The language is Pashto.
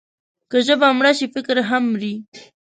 که ژبه مړه شي، فکر هم مري.